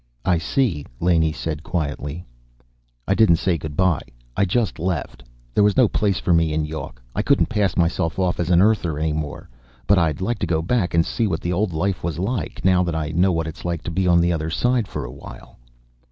"I see," Laney said quietly. "I didn't say good bye. I just left. There was no place for me in Yawk; I couldn't pass myself off as an Earther any more. But I'd like to go back and see what the old life was like, now that I know what it's like to be on the other side for a while."